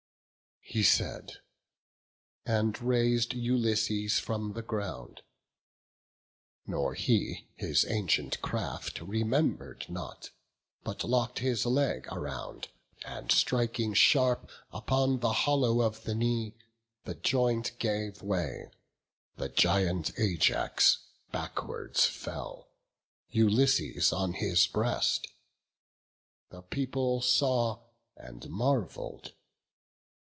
He said, and rais'd Ulysses from the ground; Nor he his ancient craft remember'd not, But lock'd his leg around, and striking sharp Upon the hollow of the knee, the joint Gave way; the giant Ajax backwards fell, Ulysses on his breast; the people saw, And marvell'd.